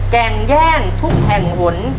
แก่งแย่งทุกแห่งหน